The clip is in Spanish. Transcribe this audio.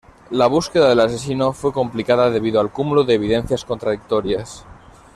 La búsqueda del asesino fue complicada debido al cúmulo de evidencias contradictorias.